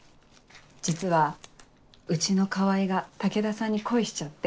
実はうちの川合が武田さんに恋しちゃって。